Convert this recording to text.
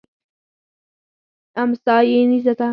امسا یې نیزه ده.